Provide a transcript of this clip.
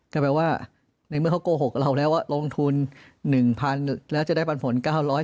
แต่แปลว่าในเมื่อเขาโกหกเราแล้วว่าลงทุน๑๐๐๐แล้วจะได้ปันผล๙๐